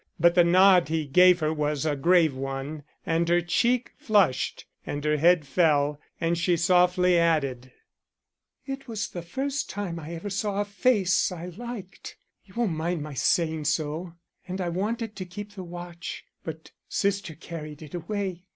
But the nod he gave her was a grave one, and her cheek flushed and her head fell, as she softly added: "It was the first time I ever saw a face I liked you won't mind my saying so, and I wanted to keep the watch, but sister carried it away.